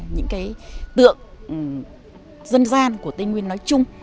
những cái tượng dân gian của tây nguyên nói chung